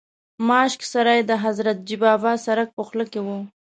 ماشک سرای د حضرتجي بابا سرک په خوله کې و.